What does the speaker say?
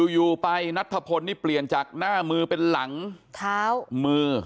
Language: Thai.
อยู่ไปนัทธพลนี่เปลี่ยนจากหน้ามือเป็นหลังเท้ามือ